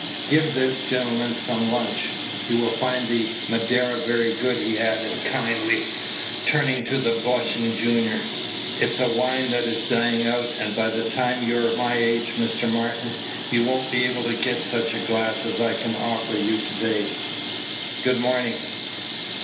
"Give this gentleman some lunch. You will find the Madeira very good," he added, kindly, turning to the blushing junior; "it's a wine that is dying out, and by the time you're my age, Mr. Martin, you won't be able to get such a glass as I can offer you to day. Good morning."